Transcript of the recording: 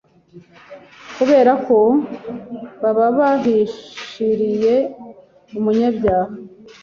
kubera ko baba bahishiriye umunyacyaha,